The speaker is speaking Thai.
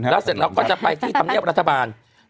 แล้วเสร็จเราก็จะไปที่ธรรมเนียบรัฐบาล